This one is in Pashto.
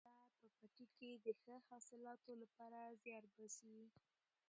بزګر په پټي کې د ښه حاصلاتو لپاره زیار باسي